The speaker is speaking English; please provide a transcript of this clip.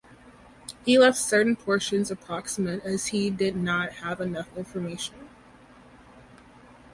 But he left certain portions approximate as he did not have enough information.